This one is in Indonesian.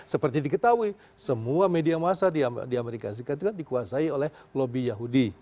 seperti diketahui semua media massa di amerika serikat itu kan dikuasai oleh lobby yahudi